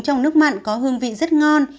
trong nước mặn có hương vị rất ngon